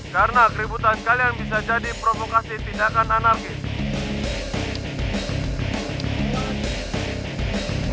karena keributan kalian bisa jadi provokasi tindakan anarkis